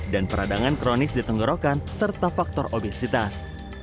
dan peradangan kronis di tenggorokan serta faktor obesitas